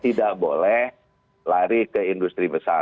tidak boleh lari ke industri besar